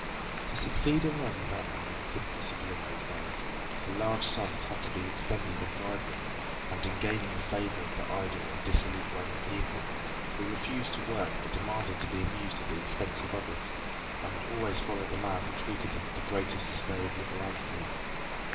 To succeed in Rome without money was impossible in those days, for large sums had to be expended in bribery and in gaining the favor of the idle and dissolute Roman people, who refused to work but demanded to be amused at the expense of others, and would always follow the man who treated them with the greatest display of liberality.